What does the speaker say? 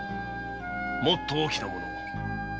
もっと大きなもの